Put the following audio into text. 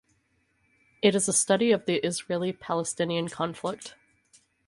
It is a study of the Israeli-Palestinian conflict.